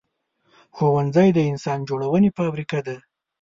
ښوونځی د انسان جوړونې فابریکه ده